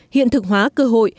hiện thực hóa cơ hội